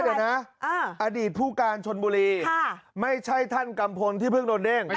เดี๋ยวนะอดีตผู้การชนบุรีไม่ใช่ท่านกัมพลที่เพิ่งโดนเด้ง